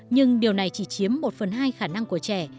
nhưng điều này chỉ chiếm một phần hai khả năng của trẻ